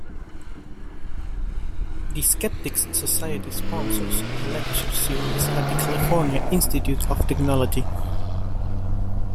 The Skeptics Society sponsors a lecture series at the California Institute of Technology.